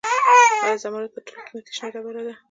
آیا زمرد تر ټولو قیمتي شنه ډبره ده؟